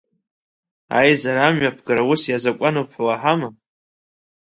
Аизара амҩаԥгара ус иазакәануп ҳәа уаҳама?